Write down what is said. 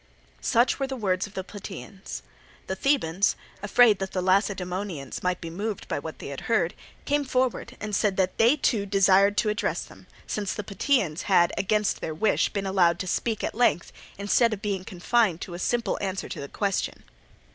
Such were the words of the Plataeans. The Thebans, afraid that the Lacedaemonians might be moved by what they had heard, came forward and said that they too desired to address them, since the Plataeans had, against their wish, been allowed to speak at length instead of being confined to a simple answer to the question.